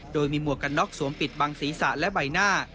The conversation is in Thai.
โดยมีหมวกกันน็อกสวมปิดบังศีรษะและใบหน้า